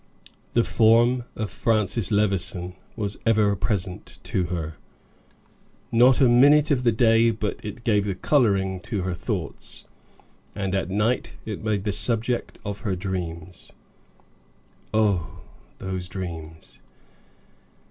The form of Francis Levison was ever present to her; not a minute of the day but it gave the coloring to her thoughts, and at night it made the subject of her dreams. Oh, those dreams!